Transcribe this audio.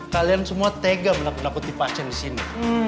kalian semua tega menakuti pasien disini